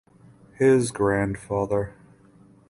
His grandfather.